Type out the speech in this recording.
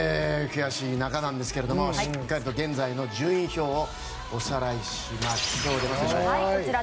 悔しい中なんですけどしっかりと現在の順位表をおさらいしましょう。